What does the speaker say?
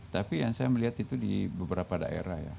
tapi yang saya melihat itu di beberapa daerah ya